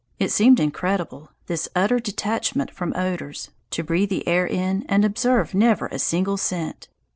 It seemed incredible, this utter detachment from odours, to breathe the air in and observe never a single scent.